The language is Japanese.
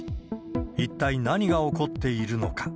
一体何が起こっているのか。